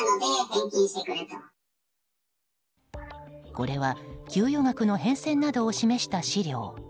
これは、給与額の変遷などを示した資料。